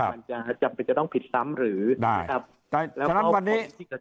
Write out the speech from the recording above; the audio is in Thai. มันจะจำเป็นต้องผิดซ้ำหรือครับ